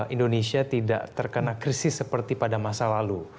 indonesia tidak terkena krisis seperti pada masa lalu